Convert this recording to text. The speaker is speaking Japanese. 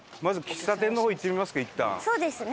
そうですね。